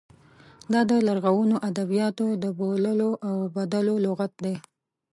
دا د لرغونو ادبیاتو د بوللو او بدلو لغت دی.